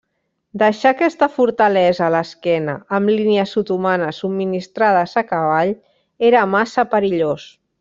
Deixar aquesta fortalesa a l'esquena, amb línies otomanes subministrades a cavall, era massa perillós.